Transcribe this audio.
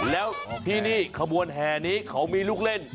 แล้วที่นี่ขบวนแห่นี้เขามีลูกเล่น